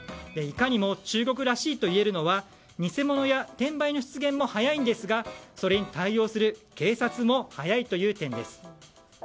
いかにも中国らしいといえるのは偽物や転売の出現も早いんですがそれに対応する警察も早いという点です。